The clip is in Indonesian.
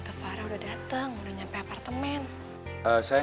nyampe apartemen sayang sayang tunggu betul betul apa bisa kamu mau ngapain ya pak ya